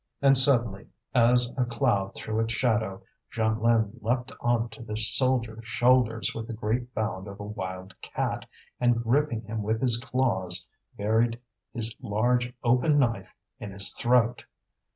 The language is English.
And suddenly, as a cloud threw its shadow, Jeanlin leapt on to the soldier's shoulders with the great bound of a wild cat, and gripping him with his claws buried his large open knife in his throat.